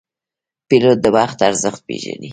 پیلوټ د وخت ارزښت پېژني.